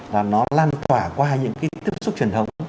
là nó lan tỏa qua những cái tiếp xúc truyền thống